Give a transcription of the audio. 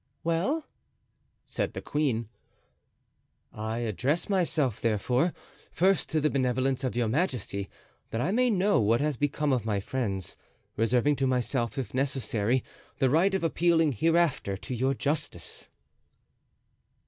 "Well?" said the queen. "I address myself, therefore, first to the benevolence of your majesty, that I may know what has become of my friends, reserving to myself, if necessary, the right of appealing hereafter to your justice."